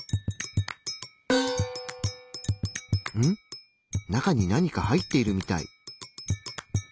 中に何か入っているみたい。